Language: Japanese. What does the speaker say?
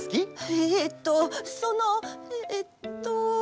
えとそのえっと。